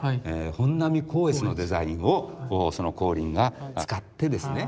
本阿弥光悦のデザインをその光琳が使ってですね